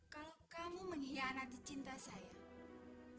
kalau kamu mengkhianati cinta saya